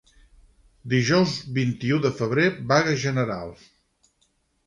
Dijous vint-i-u de febrer, vaga general!